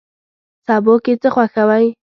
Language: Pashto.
سبو کی څه خوښوئ؟